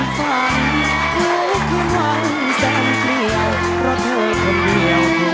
ทุกคืนนั้นแสงเตรียว